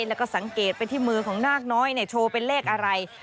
แล้วก็สังเกตไปที่มือของนาคน้อยโชว์เป็นเลขอะไร